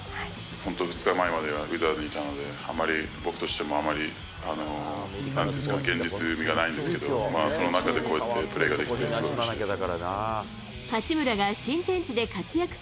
本当、２日前まではウィザーズにいたので、あまり僕としても、あまり現実味がないんですけど、その中でこうやってプレーができてすごいうれしかったです。